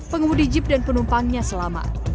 pengemudi jeep dan penumpangnya selamat